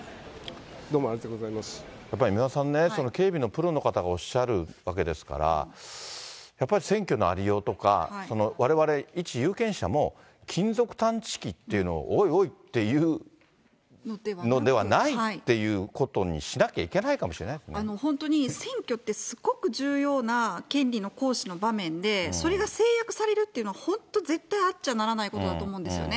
やっぱり三輪さんね、警備のプロの方がおっしゃるわけですから、やっぱり選挙のありようとか、われわれ一有権者も、金属探知機っていうのを、おいおいっていうのではないっていうことにしなきゃいけないかも本当に、選挙ってすごく重要な権利の行使の場面で、それが制約されるっていうのは、本当、絶対あっちゃならないことだと思うですよね。